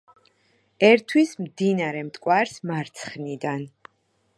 ერთვის მდინარე მტკვარს მარცხნიდან.